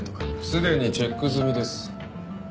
すでにチェック済みです。